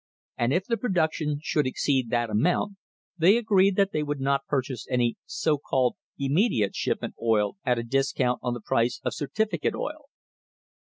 And if the produc tion should exceed that amount they agreed that they would not purchase any so called "immediate shipment" oil at a discount on the price of certificate oil.